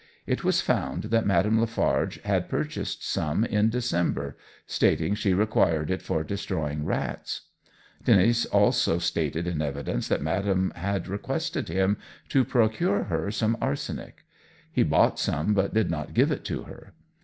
It was found that Madame Lafarge had purchased some in December, stating she required it for destroying rats; Denis also stated in evidence, that Madame had requested him to procure her some arsenic. He bought some, but did not give it to her.